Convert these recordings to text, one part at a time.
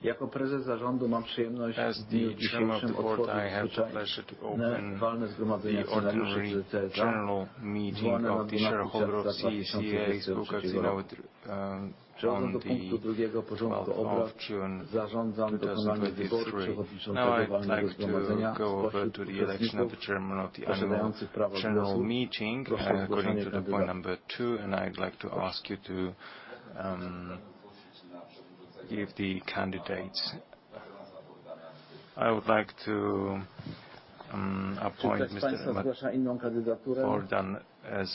As the Chairman of the Board, I have the pleasure to open the Ordinary General Meeting of the Shareholders of CCC S.A. on the 12th of June, 2023. I would like to go over to the election of the Chairman of the Annual General Meeting according to point number two, and I'd like to ask you to give the candidates. I would like to appoint Mr. Bogdan as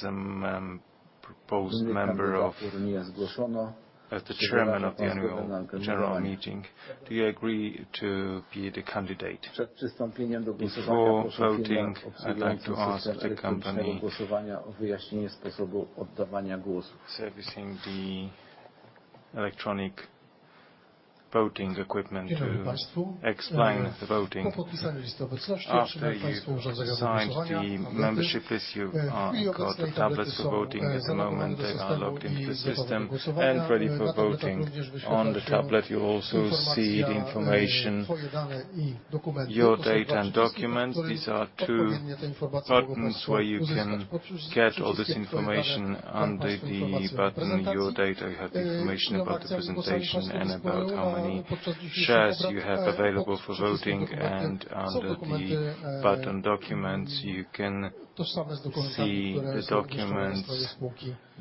the Chairman of the Annual General Meeting. Do you agree to be the candidate? Before voting, I'd like to ask the company servicing the electronic voting equipment to explain the voting. After you sign the membership, you got the tablets for voting at the moment, and are logged into the system and ready for voting. On the tablet, you also see the information, your data and documents. These are two buttons where you can get all this information. Under the button, Your Data, you have the information about the presentation and about how many shares you have available for voting. Under the button, Documents, you can see the documents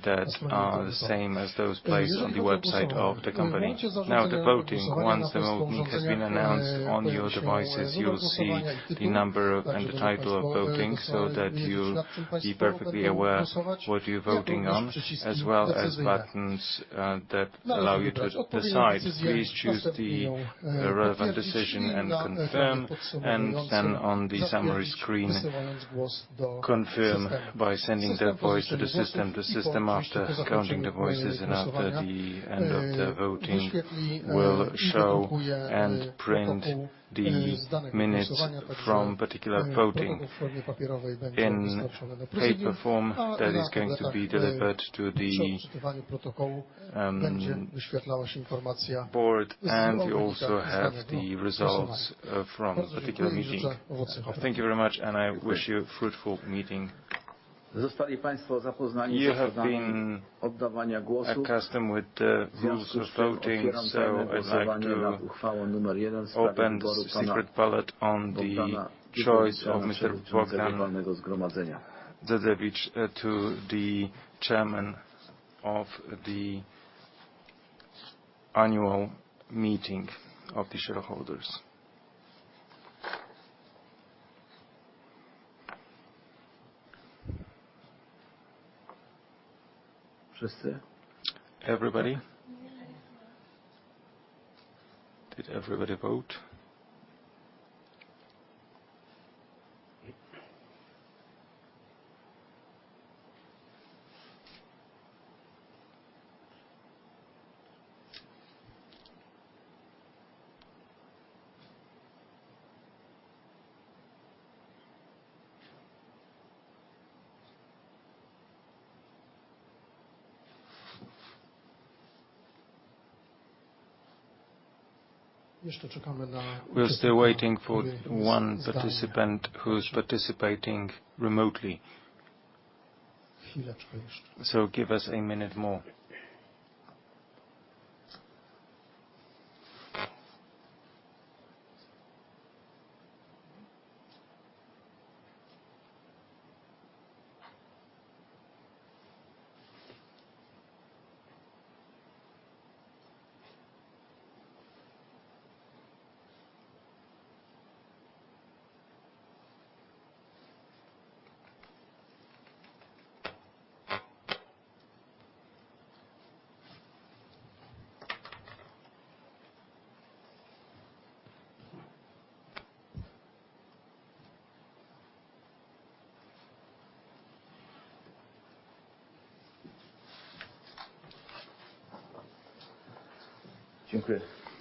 that are the same as those placed on the website of the company. The voting, once the voting has been announced on your devices, you'll see the number and the title of voting so that you'll be perfectly aware what you're voting on, as well as buttons that allow you to decide. Please choose the relevant decision and confirm, and then on the summary screen, confirm by sending that voice to the system. The system, after counting the voices and after the end of the voting, will show and print the minutes from particular voting in paper form that is going to be delivered to the board. You also have the results from the particular meeting. Thank you very much. I wish you a fruitful meeting. You have been accustom with the rules of voting. I'd like to open the secret ballot on the choice of Mr. Bogdan Dzudzewicz to the Chairman of the annual meeting of the shareholders. Just there. Everybody? Yes. Did everybody vote? We're still waiting for one participant who's participating remotely. Chwileczkę jeszcze. Give us a minute more.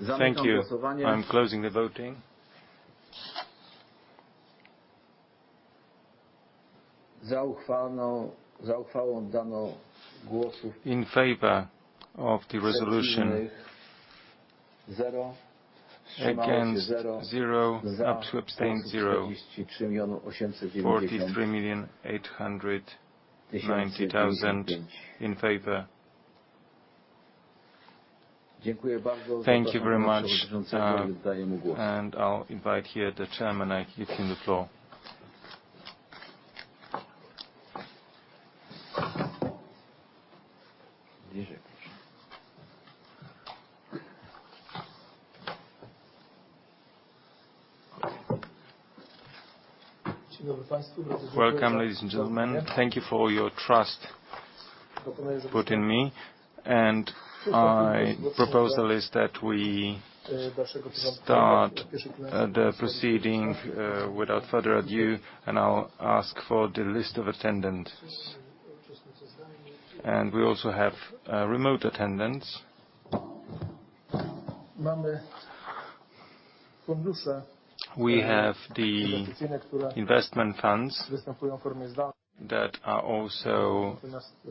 Thank you. I'm closing the voting. In favor of the resolution: 0. Against: 0. Abstain: 0. 43,890,000 in favor. Thank you very much, and I'll invite here the Chairman, I give him the floor. Welcome, ladies and gentlemen. Thank you for your trust put in me, and my proposal is that we start the proceeding without further ado, and I'll ask for the list of attendants. We also have remote attendants. We have the investment funds that are also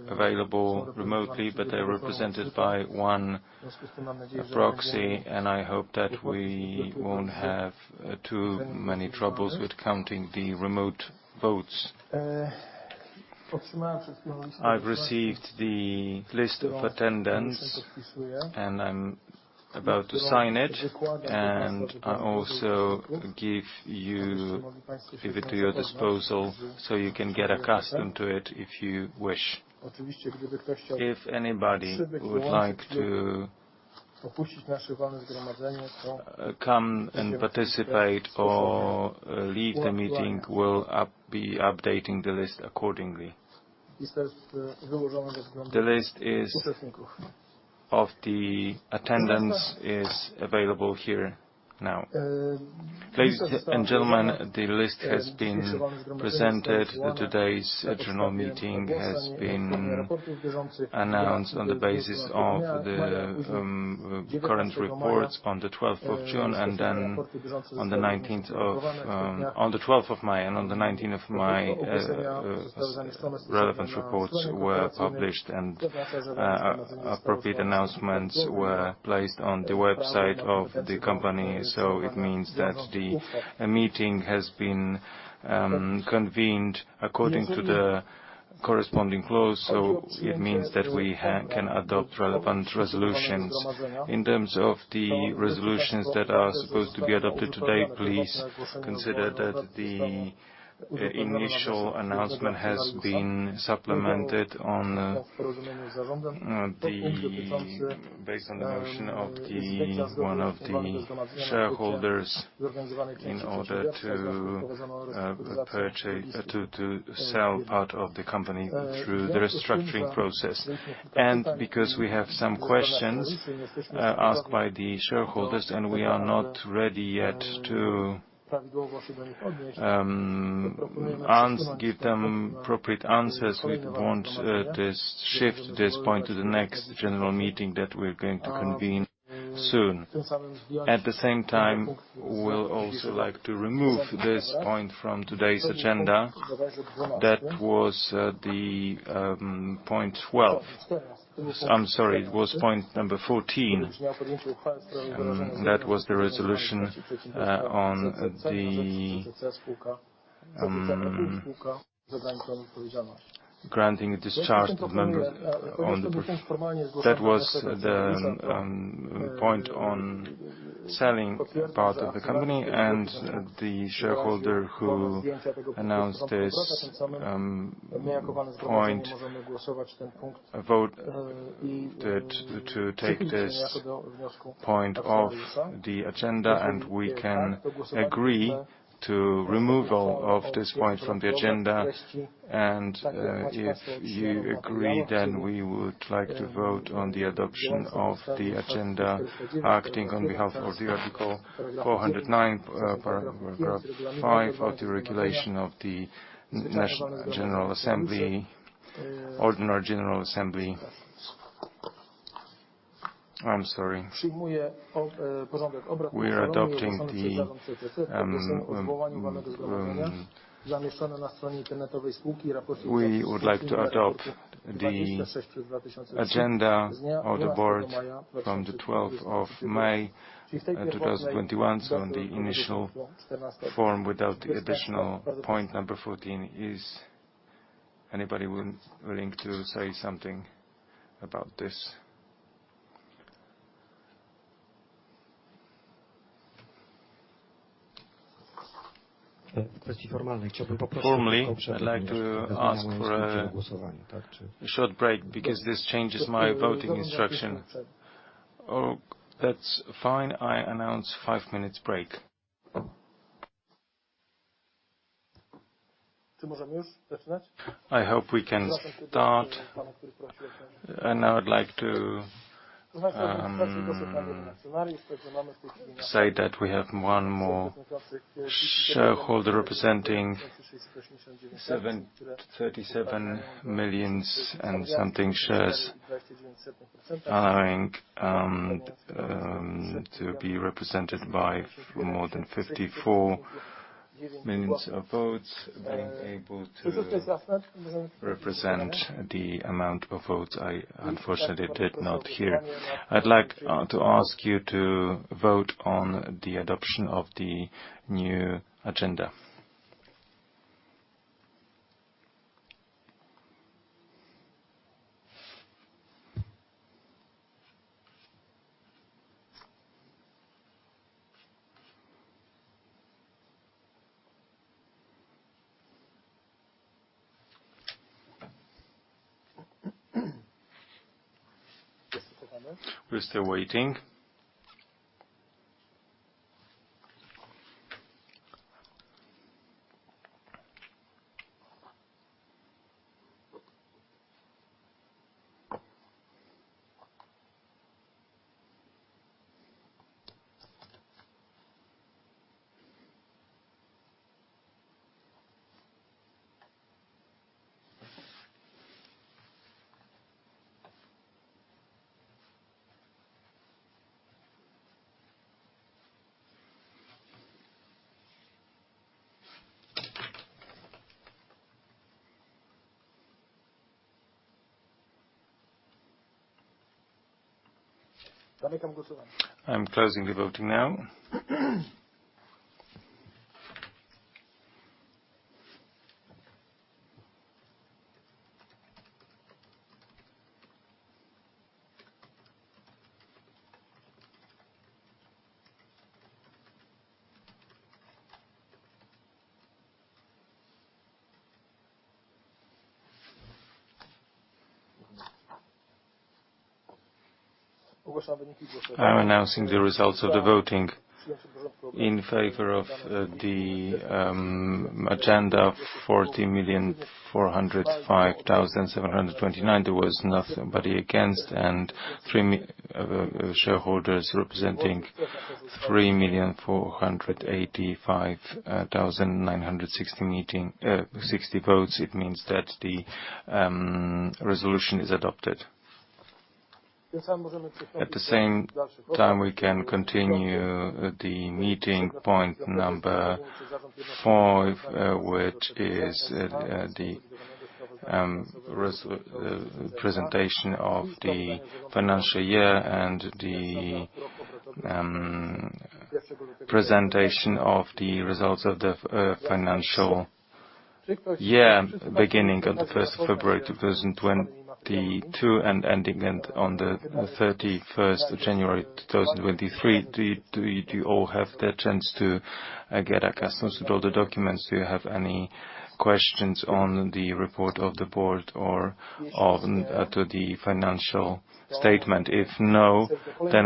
available remotely, but they're represented by one proxy, and I hope that we won't have too many troubles with counting the remote votes. I've received the list of attendance, and I'm about to sign it, and I also give it to your disposal so you can get accustomed to it if you wish. If anybody would like to come and participate or leave the meeting, we'll be updating the list accordingly. The list is, of the attendance, is available here now. Ladies and gentlemen, the list has been presented. Today's general meeting has been announced on the basis of the current reports on the 12th of May, and on the 19th of May, relevant reports were published, and appropriate announcements were placed on the website of the company. It means that the meeting has been convened according to the corresponding clause, so it means that we can adopt relevant resolutions. In terms of the resolutions that are supposed to be adopted today, please consider that the initial announcement has been supplemented Based on the notion of the, one of the shareholders, in order to sell part of the company through the restructuring process. Because we have some questions asked by the shareholders, and we are not ready yet to give them appropriate answers, we want shift this point to the next general meeting that we're going to convene soon. At the same time, we'll also like to remove this point from today's agenda. That was the point 12. I'm sorry, it was point number 14. That was the resolution on the granting a discharge of member That was the point on selling part of the company and the shareholder who announced this point, a vote to take this point off the agenda. We can agree to removal of this point from the agenda. If you agree, then we would like to vote on the adoption of the agenda, acting on behalf of the article 409, paragraph 5 of the regulation of the General Assembly, Ordinary General Assembly. I'm sorry. We are adopting the, we would like to adopt the agenda of the Board from the 12th of May, 2021, so on the initial form, without the additional point number 14, is anybody willing to say something about this? Formally, I'd like to ask for a short break because this changes my voting instruction. Oh, that's fine. I announce 5 minutes break. I hope we can start, and I would like to say that we have one more shareholder representing 7 to 37 million and something shares, allowing to be represented by more than 54 million of votes. Being able to represent the amount of votes I unfortunately did not hear. I'd like to ask you to vote on the adoption of the new agenda. We're still waiting. I'm closing the voting now. I'm announcing the results of the voting. In favor of the agenda, 40,405,729. There was nobody against, 3 shareholders representing 3,485,960 meeting 60 votes. It means that the resolution is adopted. At the same time, we can continue the meeting point 5, which is the presentation of the financial year and the presentation of the results of the financial year, beginning on the 1st of February, 2022, and ending on the 31st of January, 2023. Do you all have the chance to get accustomed to all the documents? Do you have any questions on the report of the Board or on to the financial statement? If no,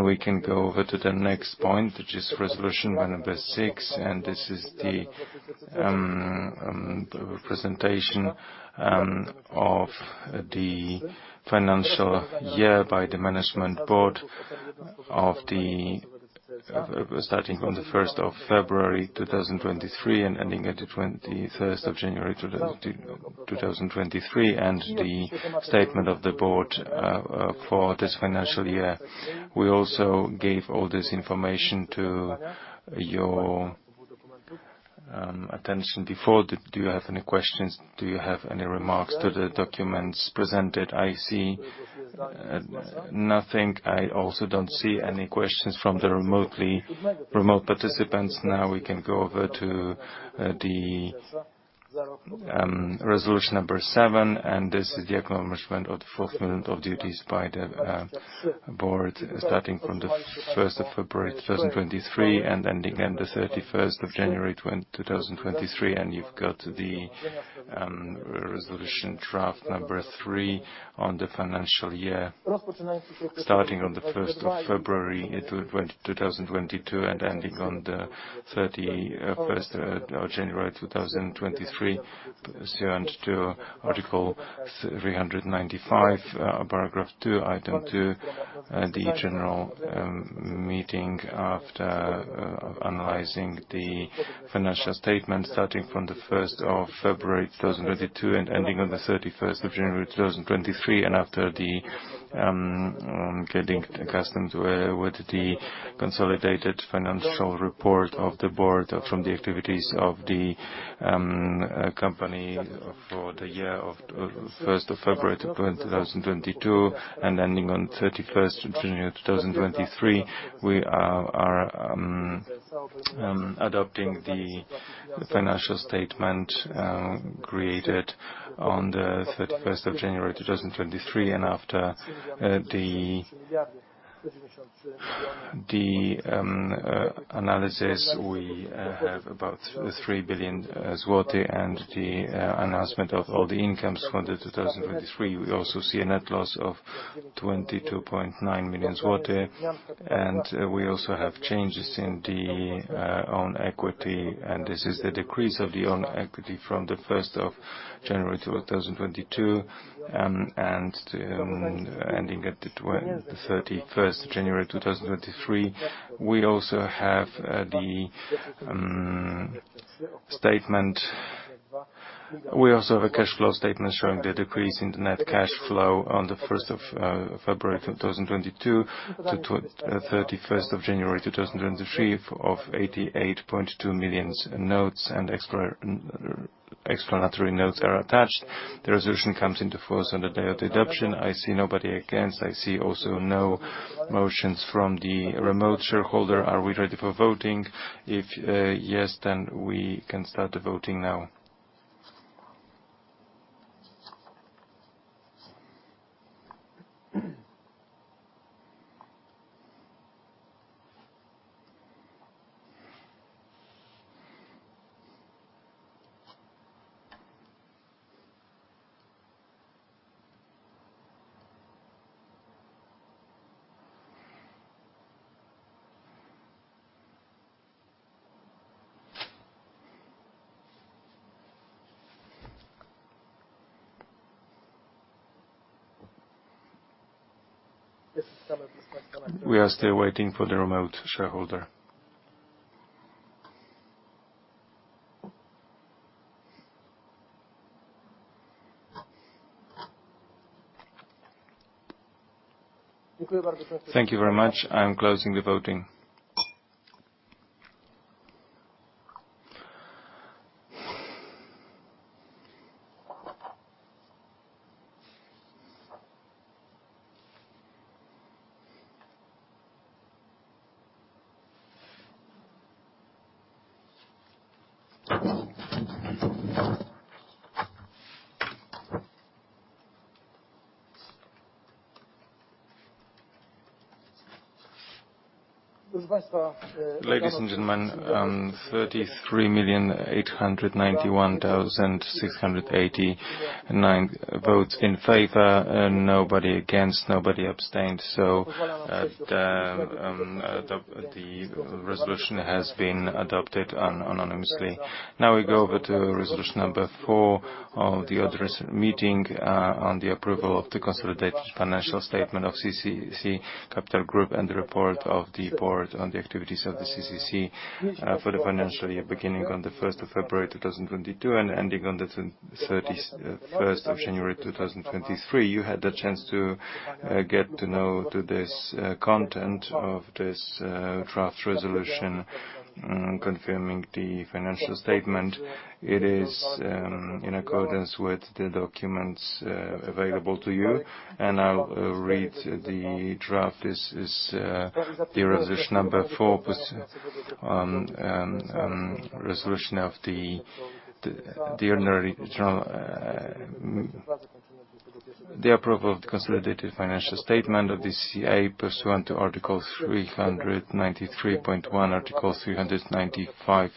we can go over to the next point, which is resolution 6. This is the presentation of the financial year by the Management Board of the. Starting on the 1st of February, 2023, and ending at the 21st of January, 2023, and the statement of the Management Board for this financial year. We also gave all this information to your attention before. Do you have any questions? Do you have any remarks to the documents presented? I see nothing. I also don't see any questions from the remote participants. Now, we can go over to the resolution number 7, and this is the acknowledgment of the fulfillment of duties by the Management Board, starting from the 1st of February, 2023, and ending on the 31st of January, 2023. You've got the resolution draft number 3 on the financial year, starting on the 1st of February, 2022, and ending on the 31st of January, 2023. Pursuant to Article 395, paragraph 2, item 2, the general meeting, after analyzing the financial statement, starting from the 1st of February, 2022, and ending on the 31st of January, 2023, and after getting accustomed with the consolidated financial report of the Board from the activities of the company for the year of 1st of February, 2022, and ending on 31st of January, 2023, we are adopting the financial statement created on the 31st of January, 2023. After the analysis, we have about 3 billion zloty and the announcement of all the incomes for 2023. We also see a net loss of 22.9 million. We also have changes in the own equity. This is the decrease of the own equity from January 1, 2022, ending at January 31, 2023. We also have the statement. We also have a cash flow statement showing the decrease in the net cash flow on February 1, 2022, to January 31, 2023, of 88.2 million. Notes and explanatory notes are attached. The resolution comes into force on the day of the adoption. I see nobody against. I see also no motions from the remote shareholder. Are we ready for voting? If yes, we can start the voting now. We are still waiting for the remote shareholder. Thank you very much. I'm closing the voting. Ladies and gentlemen, 33,891,689 votes in favor, nobody against, nobody abstained. The resolution has been adopted unanimously. Now we go over to resolution number four of the address meeting on the approval of the consolidated financial statement of CCC Capital Group and the report of the board on the activities of the CCC for the financial year, beginning on the first of February, 2022, and ending on the thirty-first of January, 2023. You had the chance to get to know to this content of this draft Resolution, confirming the financial statement. It is in accordance with the documents available to you, and I'll read the draft. This is the Resolution number 4 on Resolution of the Ordinary General Meeting. The approval of the consolidated financial statement of the CCC, pursuant to Article 393.1, Article 395,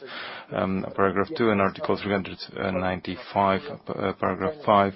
Paragraph 2, and Article 395, Paragraph 5.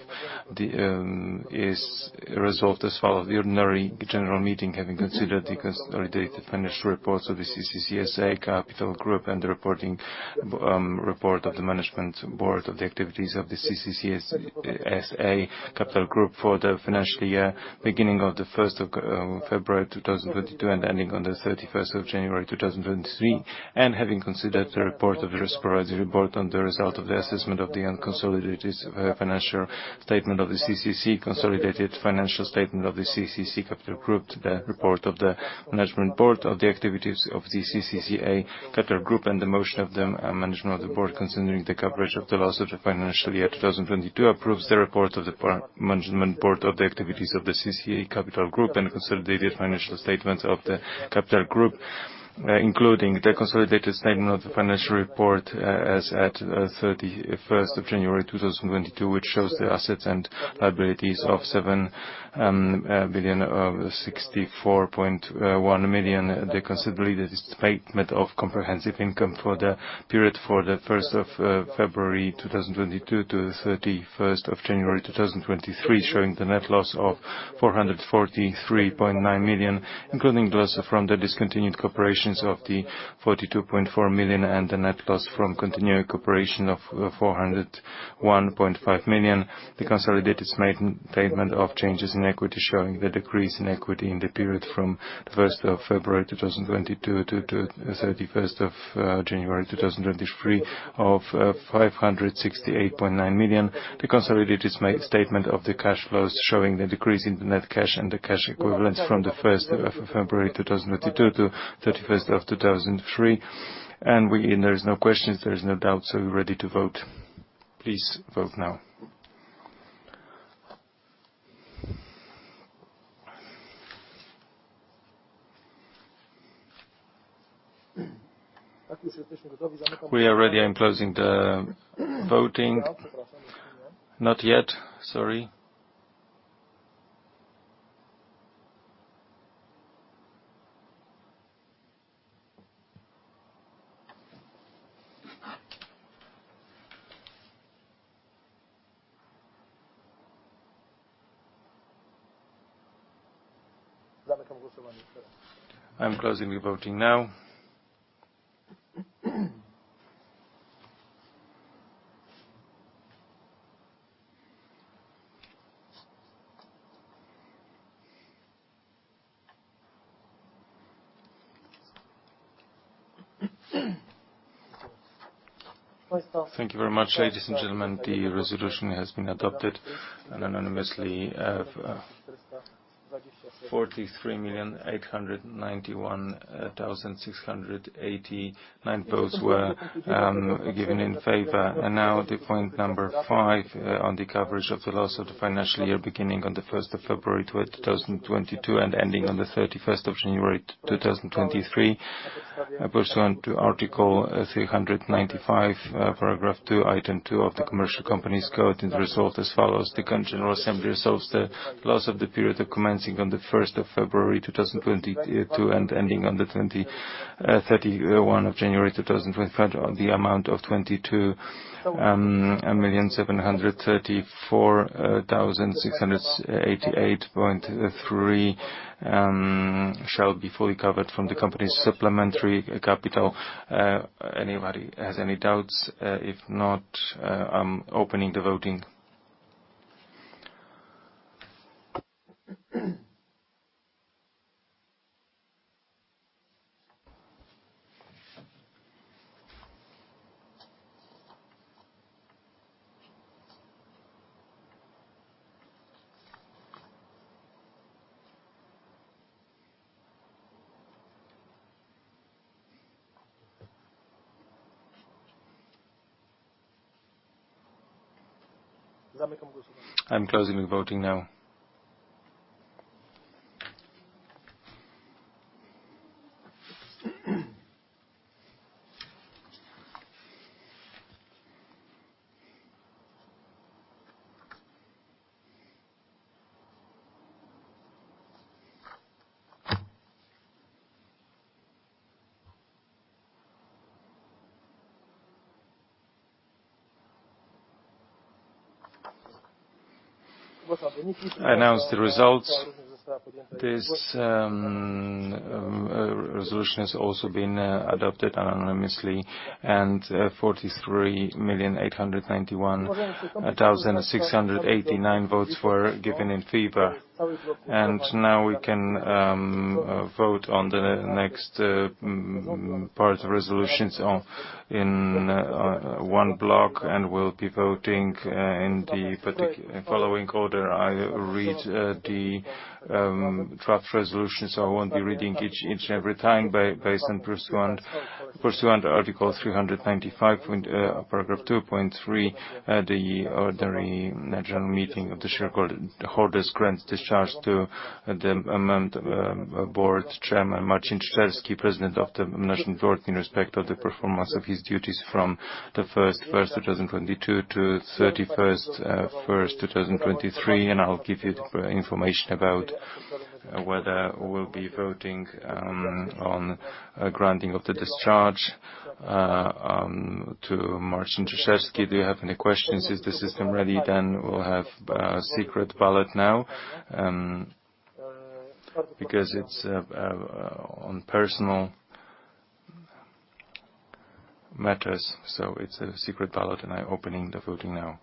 The is resolved as follows: the Ordinary General Meeting, having considered the consolidated financial reports of the CCC S.A. Capital Group and the reporting, report of the Management Board of the activities of the CCC S.A. Capital Group for the financial year, beginning of the 1st of February 2022, and ending on the 31st of January 2023. Having considered the report of the auditor's report on the result of the assessment of the unconsolidated financial statement of the CCC, consolidated financial statement of the CCC Capital Group, the report of the Management Board of the activities of the CCC S.A. Capital Group, and the motion of the management of the Board, considering the coverage of the loss of the financial year 2022, approves the report of the Management Board of the activities of the CCC S.A. Capital Group and the consolidated financial statements of the Capital Group, including the consolidated statement of the financial report, as at 31st of January, 2022, which shows the assets and liabilities of 7 billion 64.1 million. The consolidated statement of comprehensive income for the period for the 1st of February 2022 to the 31st of January 2023, showing the net loss of 443.9 million, including loss from the discontinued corporations of 42.4 million and the net loss from continuing corporation of 401.5 million. The consolidated statement of changes in equity showing the decrease in equity in the period from the 1st of February 2022 to the 31st of January 2023, of 568.9 million. The consolidated statement of the cash flows showing the decrease in the net cash and the cash equivalents from the 1st of February 2022 to 31st of 2003. We... There is no questions, there is no doubt. We're ready to vote. Please vote now. We are ready. I'm closing the voting. Not yet. Sorry. I'm closing the voting now. Thank you very much, ladies and gentlemen. The resolution has been adopted unanimously. 43,891,689 votes were given in favor. The point number five on the coverage of the loss of the financial year, beginning on the 1st of February, 2022, and ending on the 31st of January, 2023. Pursuant to Article 395, paragraph 2, item 2 of the Commercial Companies Code, and resolved as follows: The current General Assembly resolves the loss of the period commencing on the 1st of February, 2022, and ending on the 31st of January, 2025, on the amount of 22,734,688.3 shall be fully covered from the company's supplementary capital. Anybody has any doubts? If not, I'm opening the voting. I'm closing the voting now. I announce the results. This resolution has also been adopted unanimously. 43,891,689 votes were given in favor. Now we can vote on the next part resolutions on one block, and we'll be voting in the following order. I read the draft resolution, so I won't be reading each and every time, based on pursuant to Article 395 point paragraph 2.3, the ordinary annual meeting of the shareholders grants discharge to the amount, board Chairman Marcin Czyczerski, President of the Management Board, in respect of the performance of his duties from the 1st, 2022 to 31st, 1st, 2023. I'll give you the information about whether we'll be voting on granting of the discharge to Marcin Czyczerski. Do you have any questions? Is the system ready? We'll have a secret ballot now because it's on personal matters, so it's a secret ballot, and I'm opening the voting now.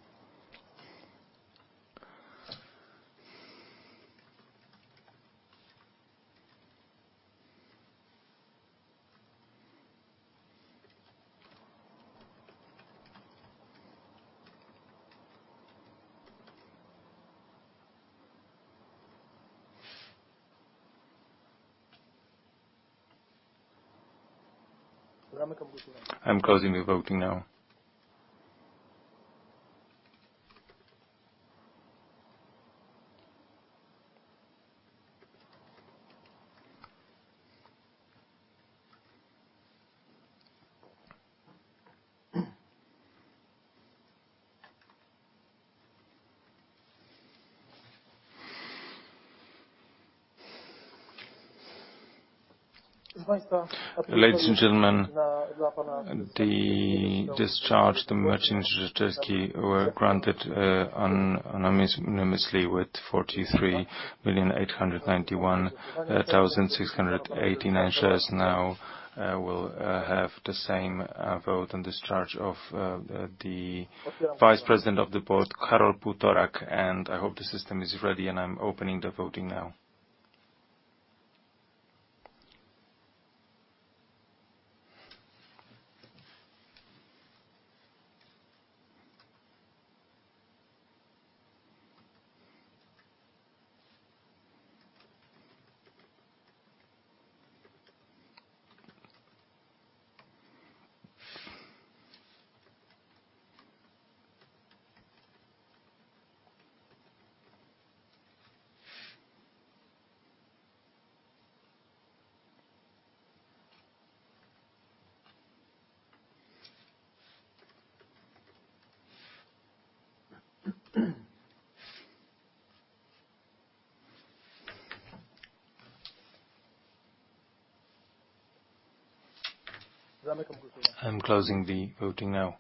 I'm closing the voting now. Ladies and gentlemen, the discharge to Marcin Czyczerski was granted unanimously with 43,891,689 shares. Now, we'll have the same vote and discharge of the Vice President of the Management Board, Karol Półtorak, and I hope the system is ready, and I'm opening the voting now. I'm closing the voting now.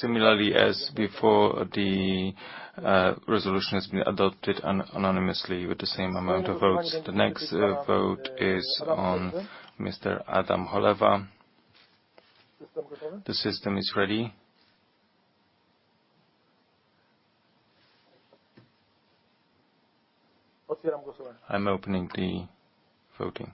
Similarly, as before, the resolution has been adopted unanimously with the same amount of votes. The next vote is on Mr. Adam Holewa. The system is ready? I'm opening the voting.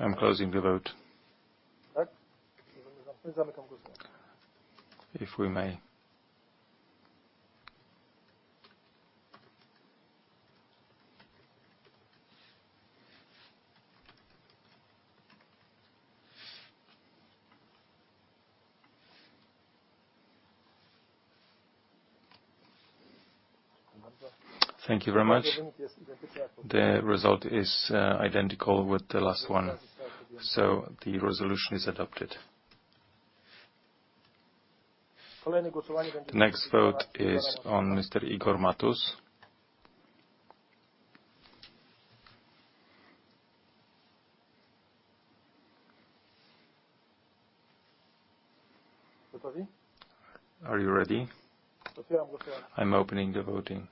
I'm closing the vote. If we may. Thank you very much. The result is identical with the last one, so the resolution is adopted. The next vote is on Mr. Igor Matus. Are you ready? I'm opening the voting.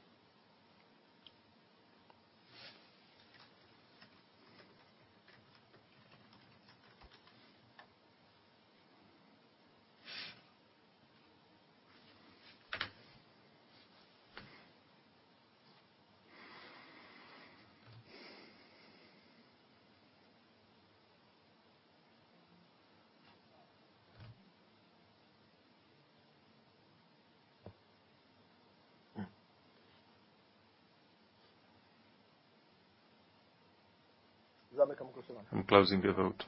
I'm closing the vote.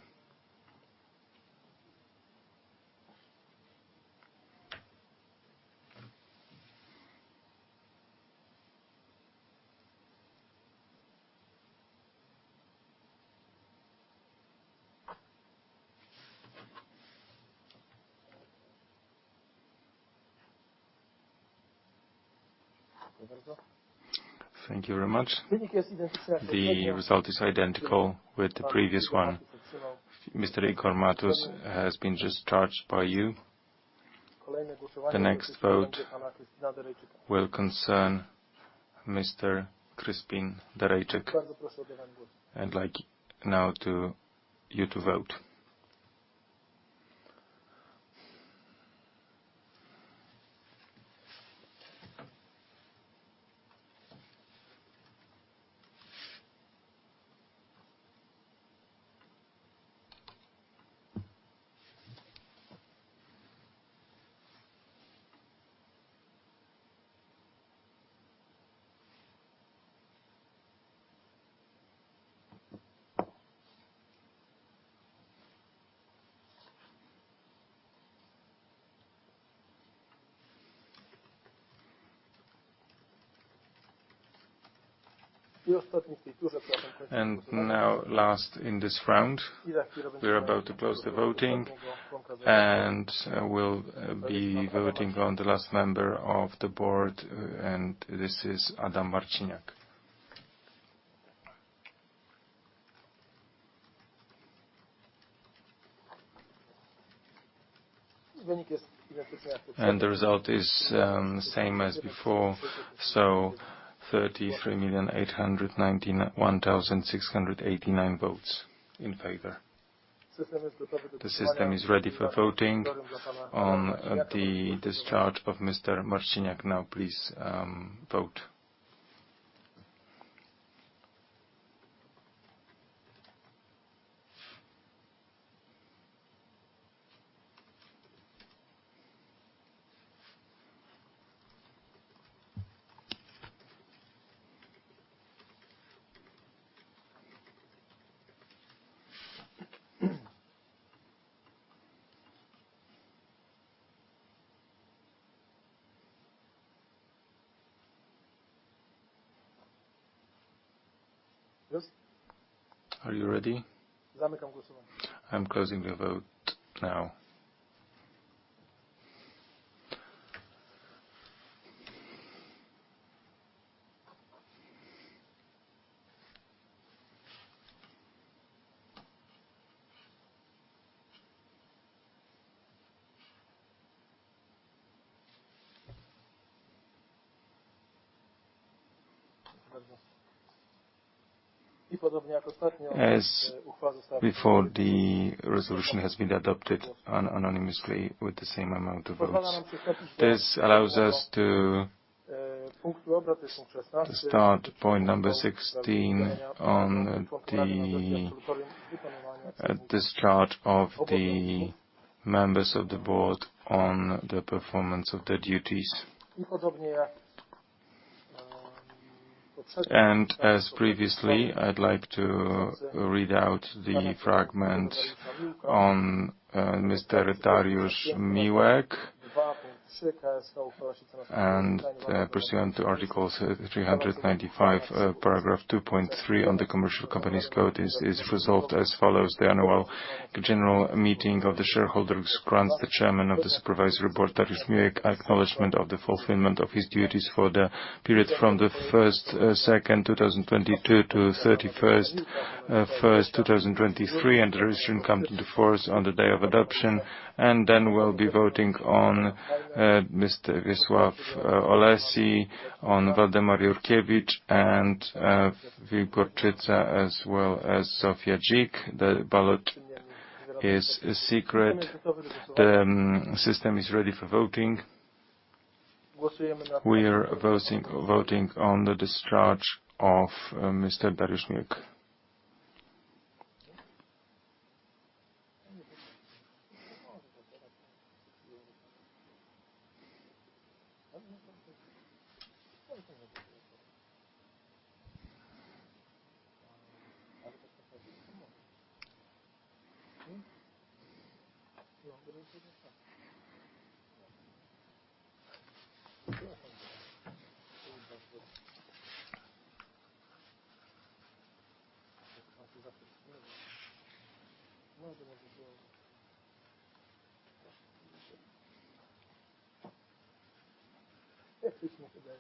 Thank you very much. The result is identical with the previous one. Mr. Igor Matus has been discharged by you. The next vote will concern Mr. Kryspin Derejczyk, I'd like now you to vote. Now, last in this round, we are about to close the voting, and we'll be voting on the last member of the board, and this is Adam Marciniak. The result is same as before, so 33,891,689 votes in favor. The system is ready for voting on the discharge of Mr. Marciniak. Now, please, vote. Are you ready? I'm closing the vote now. As before, the resolution has been adopted unanimously with the same amount of votes. This allows us to start point number 16 on the discharge of the members of the board on the performance of their duties. As previously, I'd like to read out the fragment on Mr. Dariusz Miłek. Pursuant to Articles 395, paragraph 2.3 on the Commercial Companies Code, is resolved as follows: the Annual General Meeting of the shareholders grants the Chairman of the Supervisory Board, Dariusz Miłek, acknowledgment of the fulfillment of his duties for the period from the 1st, 2nd, 2022 to 31st, 1st, 2023, and the resolution come into force on the day of adoption. Then we'll be voting on Mr. Wiesław Oleś, on Waldemar Jurkiewicz, and Wiesław Oleś, as well as Zofia Dzik. The ballot is secret. The system is ready for voting. We are voting on the discharge of Mr. Dariusz Miłek. I'm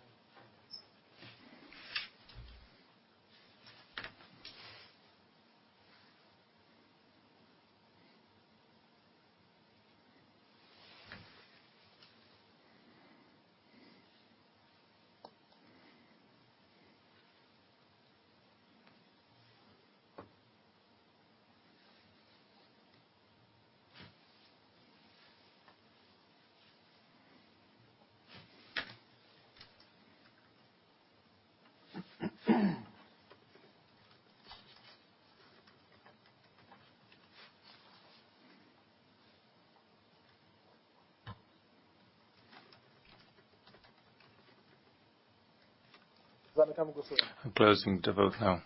closing the vote now.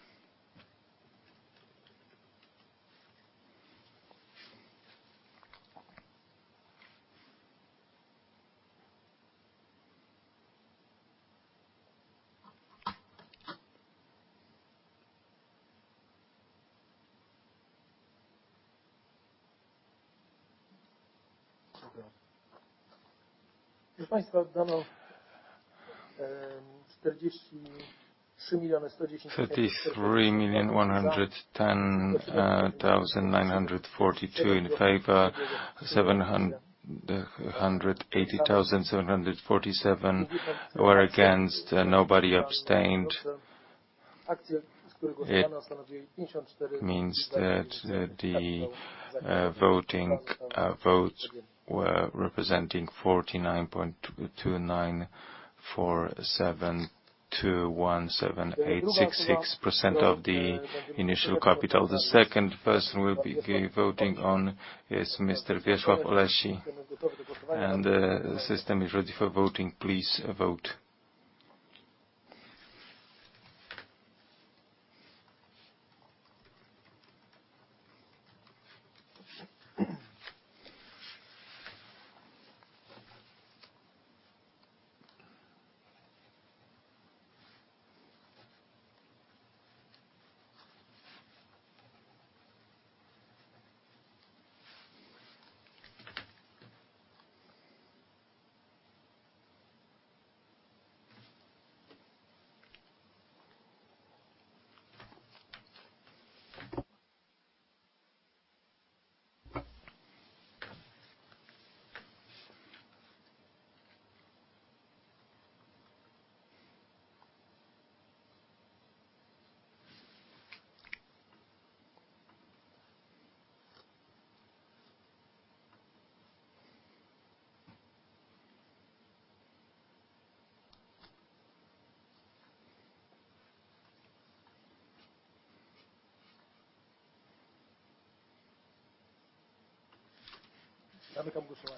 33,110,942 in favor, 780,747 were against, nobody abstained. It means that the voting votes were representing 49.2947217866% of the initial capital. The second person we'll be voting on is Mr. Wiesław Oleś. The system is ready for voting. Please vote.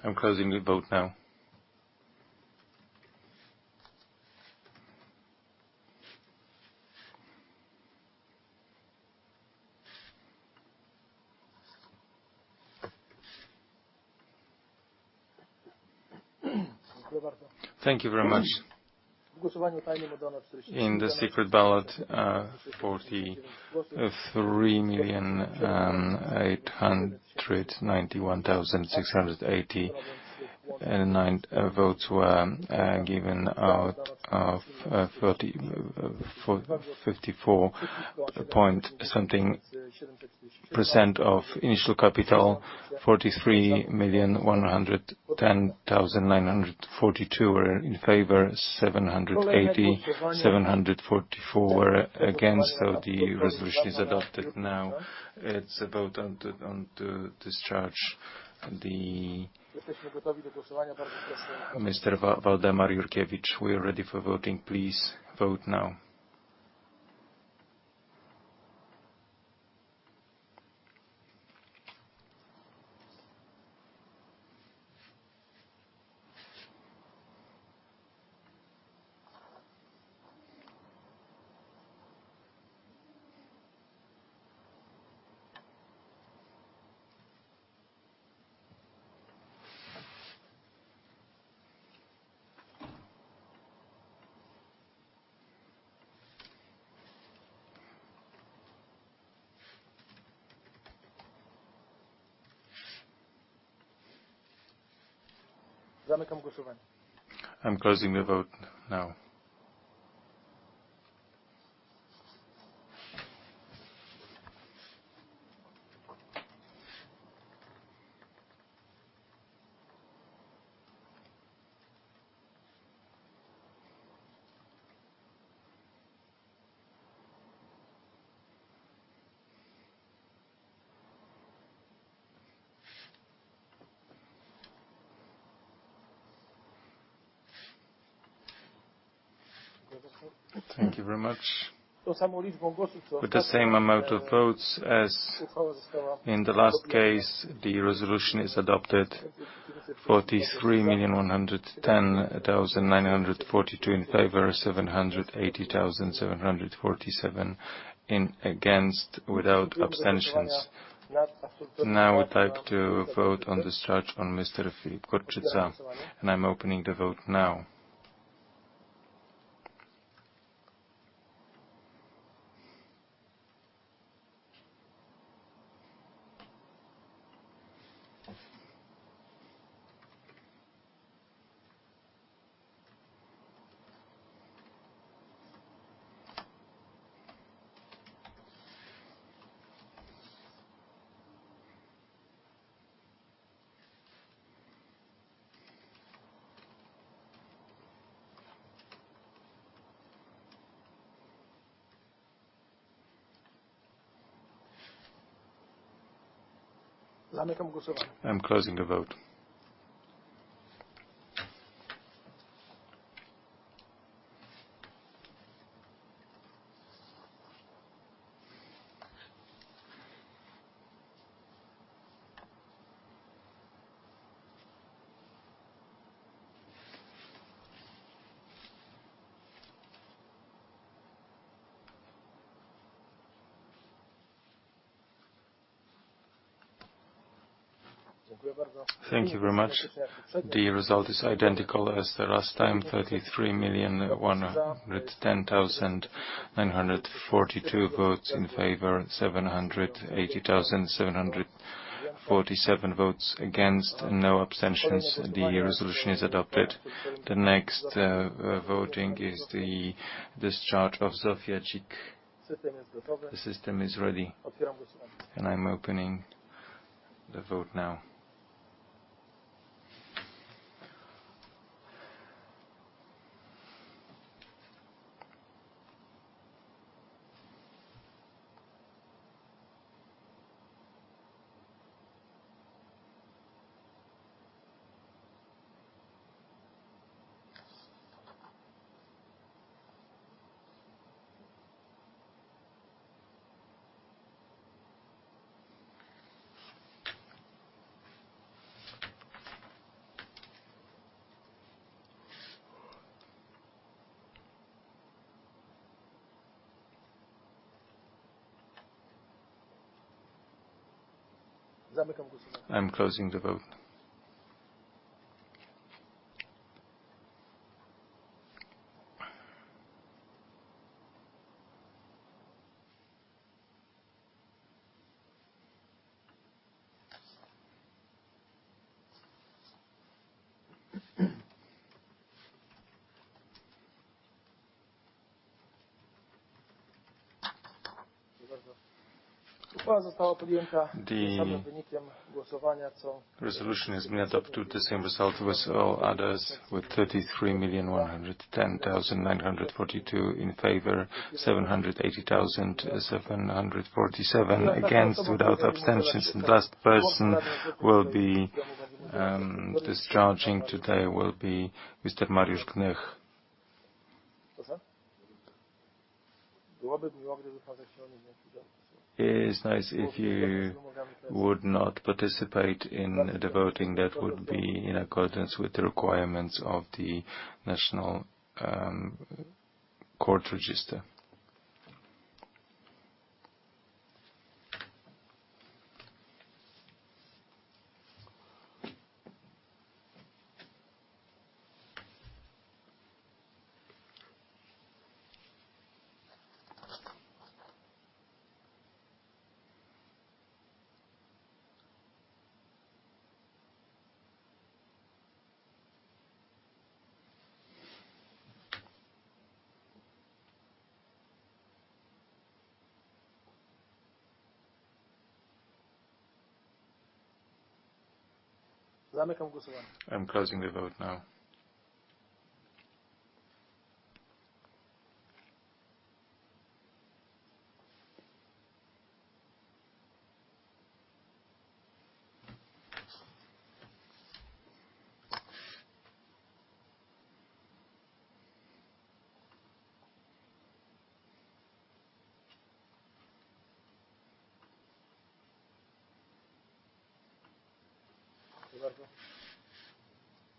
I'm closing the vote now. Thank you very much. In the secret ballot, 43,891,689 votes were given out of 34.54% of initial capital. 43,110,942 were in favor, 780,744 were against. The resolution is adopted now. It's a vote on to discharge the Mr. Waldemar Jurkiewicz. We are ready for voting. Please vote now. I'm closing the vote now. Thank you very much. With the same amount of votes as in the last case, the resolution is adopted. 43,110,942 in favor, 780,747 in against, without abstentions. We'd like to vote on discharge on Mr. Filip Gorczyca. I'm opening the vote now. I'm closing the vote. Thank you very much. The result is identical as the last time, 33,110,942 votes in favor, 780,747 votes against, no abstentions. The resolution is adopted. The next voting is the discharge of Zofia Dzik. The system is ready. I'm opening the vote now. I'm closing the vote. The resolution has been adopted, the same result with all others, with 33,110,942 in favor, 780,747 against, without abstentions. The last person will be discharging today, will be Mr. Mariusz Gnych. It is nice if you would not participate in the voting, that would be in accordance with the requirements of the national court register. I'm closing the vote now.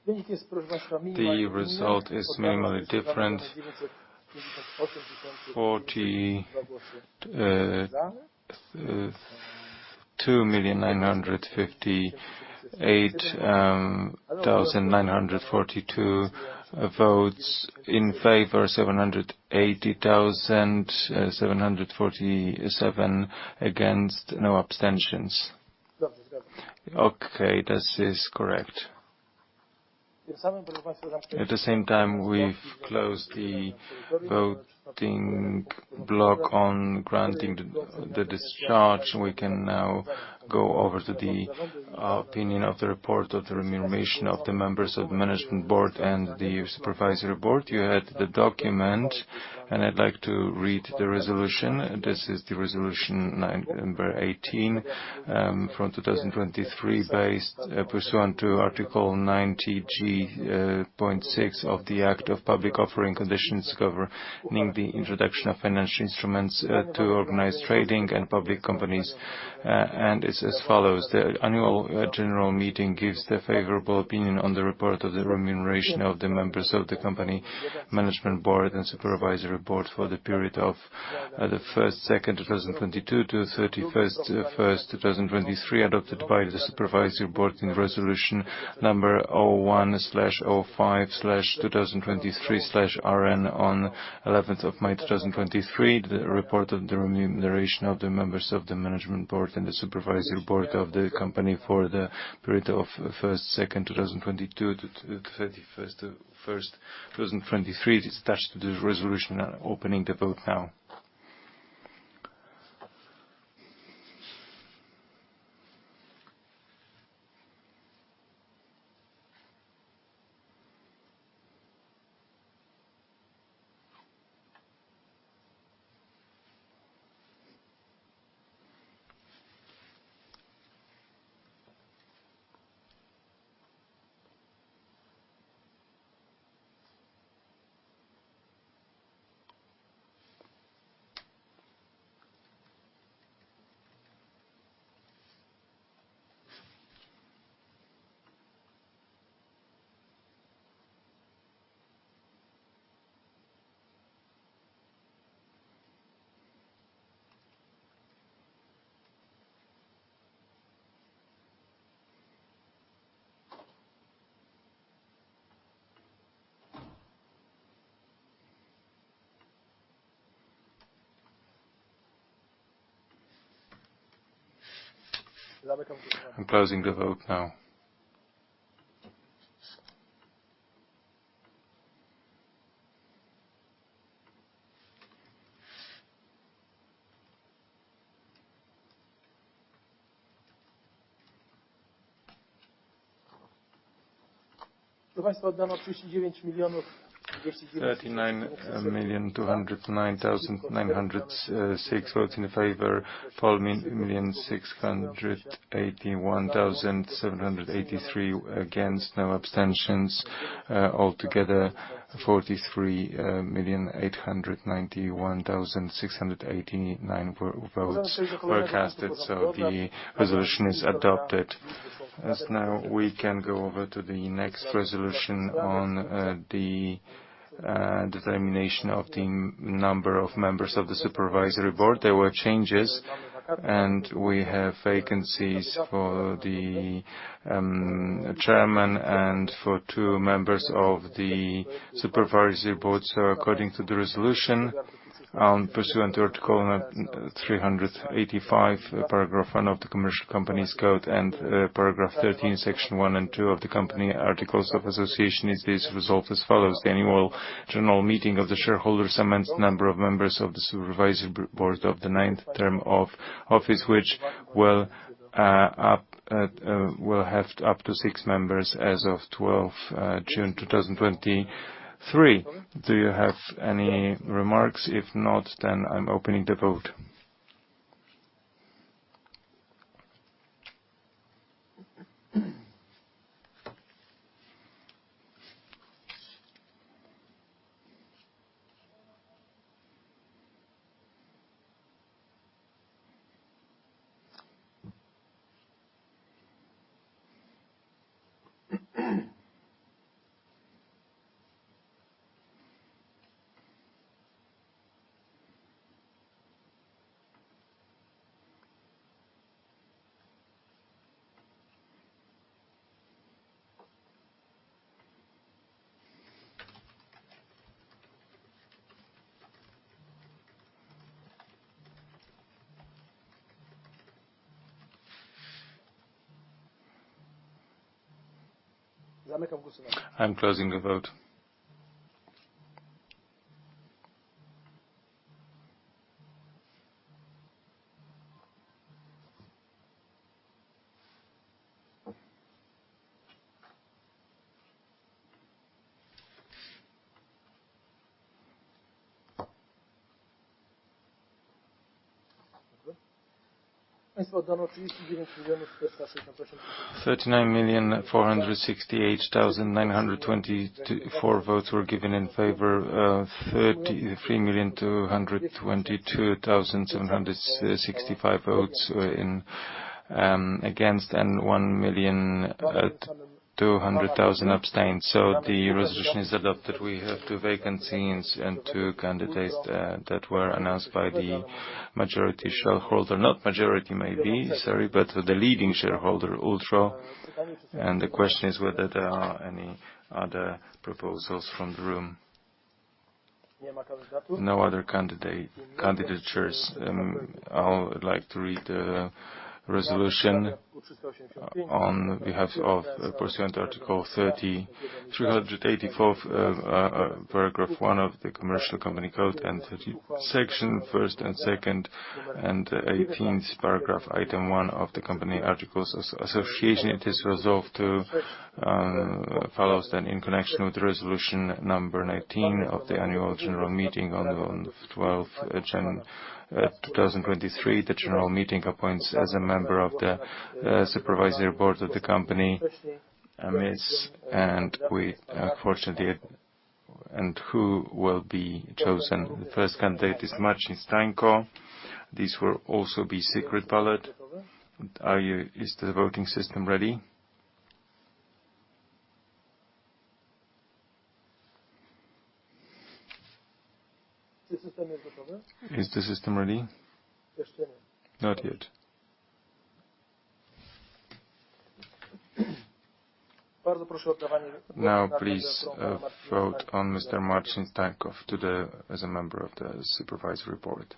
The result is minimally different. 42,958,942 votes in favor, 780,747 against, no abstentions. Okay, this is correct. At the same time, we've closed the voting block on granting the discharge. We can now go over to the opinion of the report of the remuneration of the members of Management Board and the Supervisory Board. You had the document. I'd like to read the resolution. This is the resolution number 18 from 2023, based pursuant to Article 90g, point 6 of the Act on Public Offering, Conditions Governing the Introduction of Financial Instruments to Organised Trading, and Public Companies, and it's as follows: The Annual General Meeting gives the favorable opinion on the report of the remuneration of the members of the company Management Board and Supervisory Board for the period of the first, second 2022 to thirty-first, first 2023, adopted by the Supervisory Board in resolution number 01/05/2023/RN on 11th of May, 2023. The report of the remuneration of the members of the Management Board and the Supervisory Board of the company for the period of first, second 2022 to thirty-first, first 2023 is attached to the resolution. I'm opening the vote now. I'm closing the vote now. 39,209,906 votes in favor, 12,681,783 against, no abstentions. Altogether, 43,891,689 votes were casted, the resolution is adopted. Now, we can go over to the next resolution on the determination of the number of members of the Supervisory Board. There were changes, we have vacancies for the chairman and for two members of the Supervisory Board. According to the resolution, pursuant to Article 385, paragraph 1 of the Commercial Companies Code, and paragraph 13, section 1 and 2 of the company articles of association, is this resolved as follows: The Annual General Meeting of the shareholders amends number of members of the Supervisory Board of the 9th term of office, which will have up to 6 members as of 12th June 2023. Do you have any remarks? I'm opening the vote. I'm closing the vote. 39,468,924 votes were given in favor, 33,222,765 votes against, and 1,200,000 abstained. The resolution is adopted. We have 2 vacancies and 2 candidates that were announced by the majority shareholder. Not majority, maybe, sorry, but the leading shareholder, ULTRO. The question is whether there are any other proposals from the room? No other candidate, candidatures. I would like to read the resolution on behalf of pursuant to Article 3384th, paragraph 1 of the Commercial Companies Code, 30 section 1st and 2nd, 18th paragraph, item 1 of the company articles association. It is resolved to follows in connection with the resolution number 19 of the Annual General Meeting on the 12th January 2023, the general meeting appoints as a member of the Supervisory Board of the company. Who will be chosen? The 1st candidate is Marcin Stańko. This will also be secret ballot. Is the voting system ready? Is the system ready? Not yet. Now, please, vote on Mr. Marcin Stańko as a member of the Supervisory Board.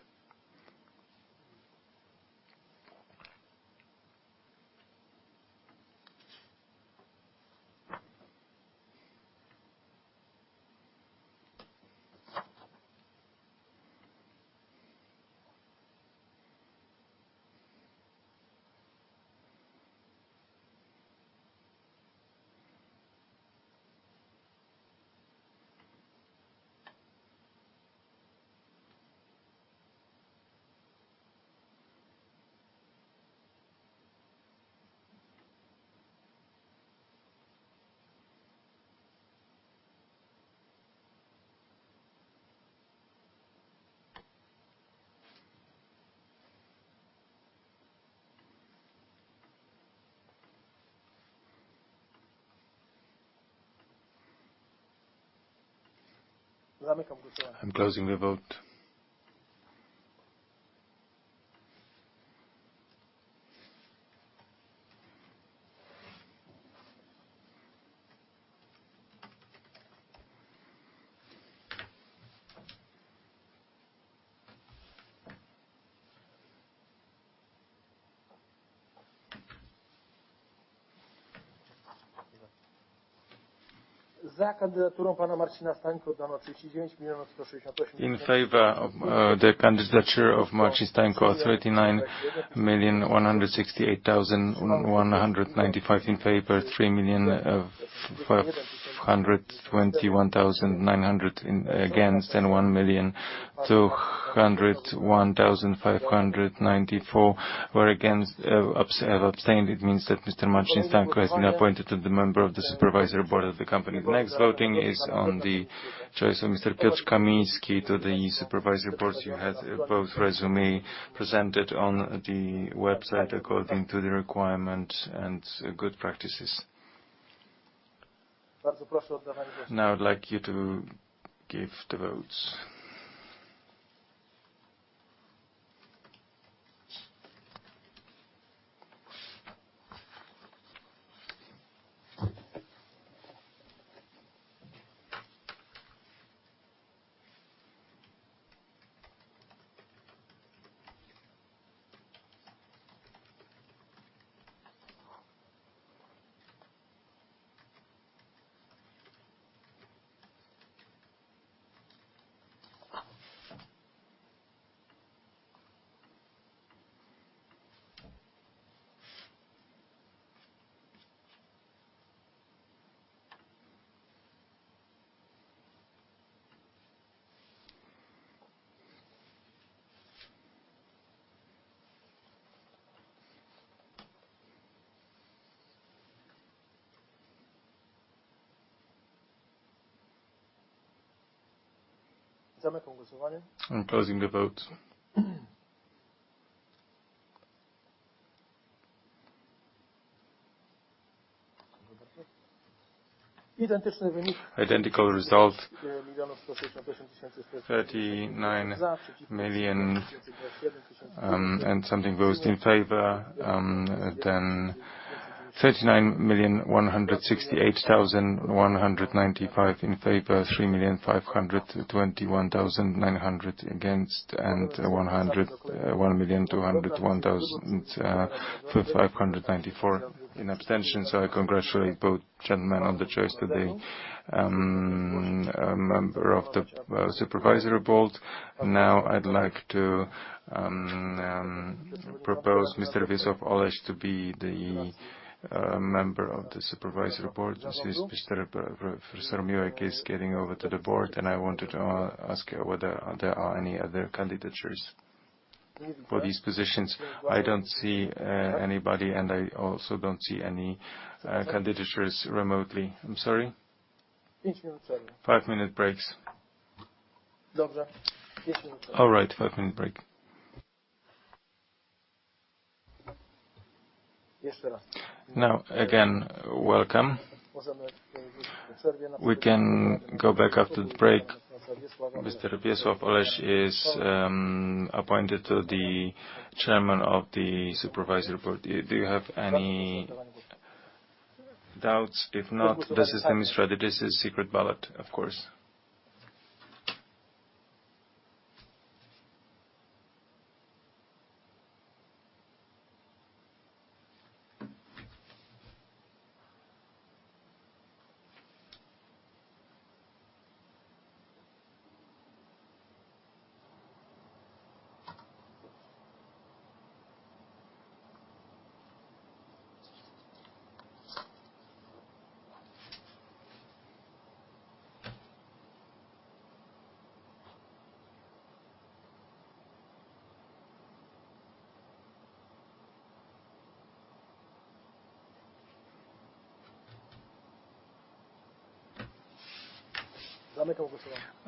I'm closing the vote. In favor of the candidature of Marcin Stańko, 39,168,195 in favor, 3,521,900 in against, and 1,201,594 abstained. It means that Mr. Marcin Stańko has been appointed to the member of the Supervisory Board of the company. The next voting is on the choice of Mr. Piotr Kamiński to the Supervisory Board. You had both resume presented on the website according to the requirement and good practices. Now, I'd like you to give the votes. I'm closing the vote. Identical result, 39 million and something votes in favor, then 39,168,195 in favor, 3,521,900 against, and 1,201,594 in abstention. I congratulate both gentlemen on the choice to be a member of the Supervisory Board. I'd like to propose Mr. Wiesław Oleś to be the member of the Supervisory Board, since Mr. Profesor Miłek is getting over to the Board, and I wanted to ask whether there are any other candidatures for these positions. I don't see anybody. I also don't see any candidatures remotely. I'm sorry? Five-minute breaks. All right, five-minute break. Again, welcome. We can go back after the break. Mr. Wiesław Oleś is appointed to the Chairman of the Supervisory Board. Do you have any doubts? If not, the system is ready. This is secret ballot, of course.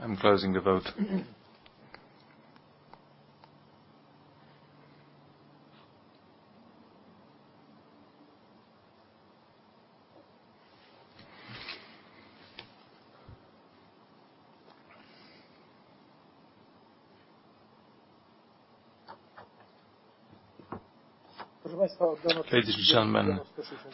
I'm closing the vote. Ladies and gentlemen,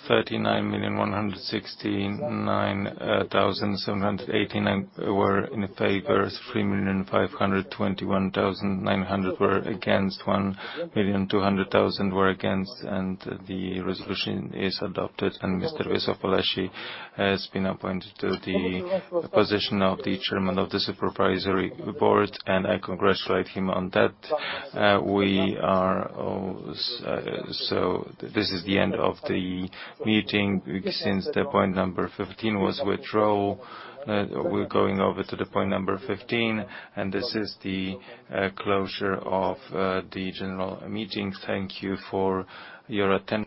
39,169,718 were in favor, 3,521,900 were against, 1,200,000 were against. The resolution is adopted, and Mr. Wiesław Oleś has been appointed to the position of the Chairman of the Supervisory Board. I congratulate him on that. This is the end of the meeting. Since the point number 15 was withdraw, we're going over to the point number 15. This is the closure of the general meeting. Thank you for your attention.